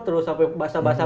terus sampai basah basah